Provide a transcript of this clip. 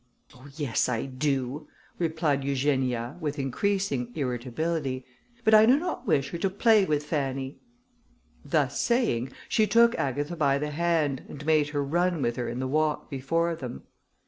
"Oh! yes, I do," replied Eugenia, with increasing irritability, "but I do not wish her to play with Fanny." Thus saying, she took Agatha by the hand, and made her run with her in the walk before them.